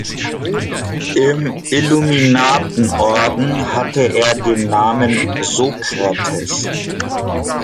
Im Illuminatenorden hatte er den Namen "Sokrates".